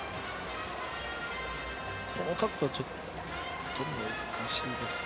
この角度はちょっと難しいですね。